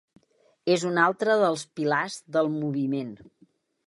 És un altre dels pilars del moviment.